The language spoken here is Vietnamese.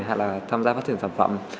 hay là tham gia phát triển sản phẩm